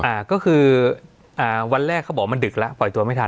อ่าก็คือวันแรกเขาบอกมันดึกล่ะปล่อยตัวไม่ทัน